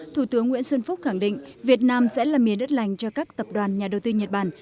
thủ tướng nguyễn xuân phúc khẳng định việt nam sẽ là miền đất lành cho các tập đoàn nhà đầu tư nhật bản